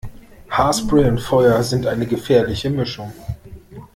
Haarspray und Feuer sind eine gefährliche Mischung